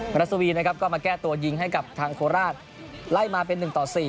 รัชวีนะครับก็มาแก้ตัวยิงให้กับทางโคราชไล่มาเป็น๑ต่อ๔